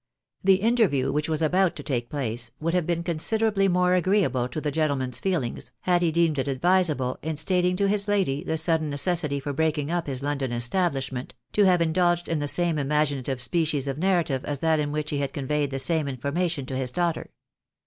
The interview, which was about to take place, would have been considerably more agreeable to the gentleman's feelings, had he deemed it advisable, in stating to his lady the sudden necessity foi breaking up his London establishment, to have indulged in the same imaginative species of narrative as that in which he had conveyed the same information to liis daughter.